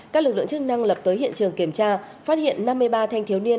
các lực lượng chức năng lập tới hiện trường kiểm tra phát hiện năm mươi ba thanh thiếu niên